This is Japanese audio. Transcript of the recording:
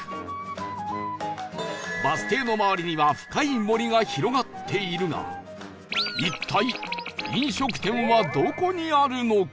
バス停の周りには深い森が広がっているが一体飲食店はどこにあるのか？